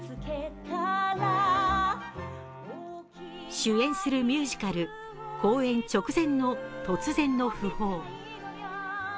主演するミュージカル公演直前の突然の訃報。